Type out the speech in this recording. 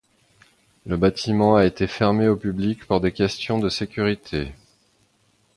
Le bâtiment a été fermé au public pour des questions de sécurité.